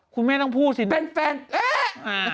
คุณแม่ต้องพูดสิเป็นแฟนเอ๊ะ